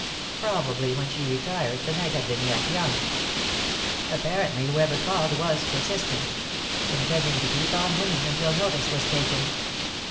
Probably when she retired the night had been yet young. Apparently whoever called was persistent ; intending to keep on ringing until notice was taken.